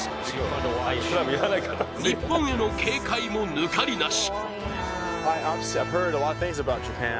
日本への警戒も抜かりなし。